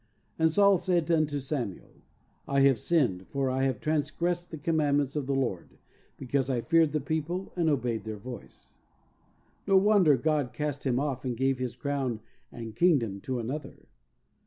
"And Saul said unto Samuel, I have sinned, for I have transgressed the com mandments of the Lord, because I feared the people and obeyed their voice." No OBEDIENCE. 15 wonder God cast him off and gave his crown and kingdom to another!